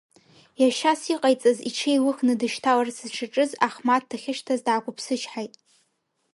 Иашьас иҟаиҵаз иҽеилыхны дышьҭаларацы дшаҿыз ахмаҭ дахьышьҭаз даақәԥсычҳаит.